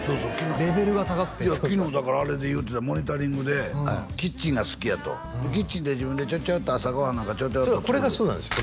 レベルが高くて昨日だからあれで言うてた「モニタリング」でキッチンが好きやとキッチンで自分でちゃちゃっと朝ご飯なんかこれがそうなんですよ